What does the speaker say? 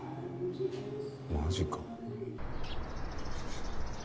マジか。